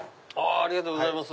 ありがとうございます。